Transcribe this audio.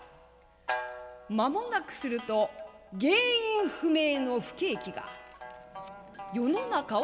間もなくすると原因不明の不景気が世の中を襲いました。